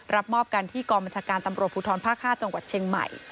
รับมอบกันที่กองบัญชาการตำรวจภูทรภาค๕จังหวัดเชียงใหม่